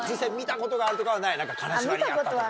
金縛りにあったとか。